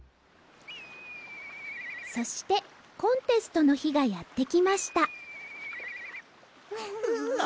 そしてコンテストのひがやってきましたふ！